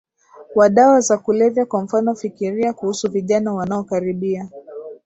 wa dawa za kulevya Kwa mfano fikiria kuhusu vijana wanaokaribia